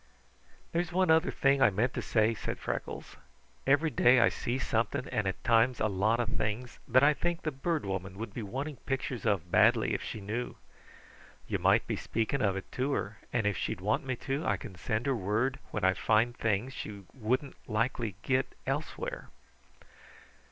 "There's one other thing I meant to say," said Freckles. "Every day I see something, and at times a lot of things, that I think the Bird Woman would be wanting pictures of badly, if she knew. You might be speaking of it to her, and if she'd want me to, I can send her word when I find things she wouldn't likely get elsewhere."